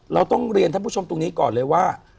เราต้องเรียนท่านผู้ชมตรงนี้ก่อนเลยว่า